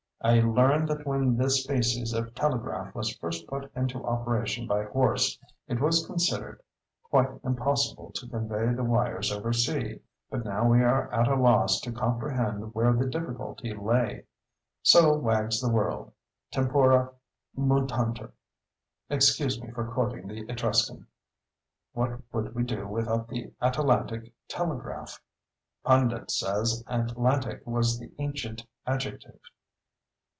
I learn that when this species of telegraph was first put into operation by Horse, it was considered quite impossible to convey the wires over sea, but now we are at a loss to comprehend where the difficulty lay! So wags the world. Tempora mutantur—excuse me for quoting the Etruscan. What would we do without the Atalantic telegraph? (Pundit says Atlantic was the ancient adjective.)